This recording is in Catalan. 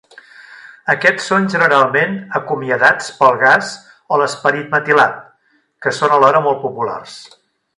Aquests són generalment acomiadats pel gas o l'esperit metilat, que són alhora molt populars.